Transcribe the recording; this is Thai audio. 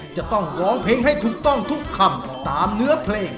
จะต้องร้องเพลงให้ถูกต้องทุกคำตามเนื้อเพลง